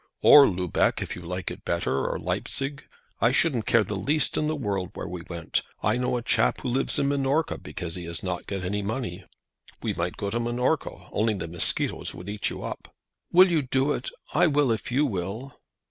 "Or Lubeck, if you like it better; or Leipsig. I shouldn't care the least in the world where we went. I know a chap who lives in Minorca because he has not got any money. We might go to Minorca, only the mosquitoes would eat you up." "Will you do it? I will if you will."